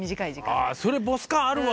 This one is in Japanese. ああそれボス感あるわ。